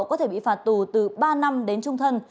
có thể bị phạt tù từ ba năm đến trung thân